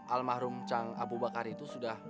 al mahrum cang abu bakar itu sudah